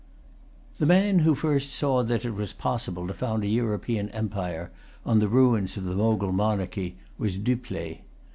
The man who first saw that it was possible to found an European empire on the ruins of the Mogul monarchy was Dupleix.